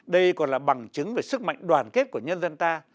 đây còn là bằng chứng về sức mạnh đoàn kết của nhân dân ta